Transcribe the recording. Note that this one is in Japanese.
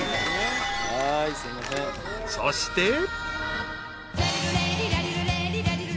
［そして］